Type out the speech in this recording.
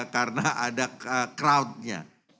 karena ada crowd nya